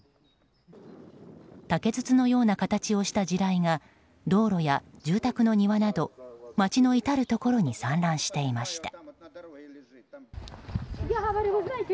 竹筒のような形をした地雷が道路や住宅の庭など街の至るところに散乱していました。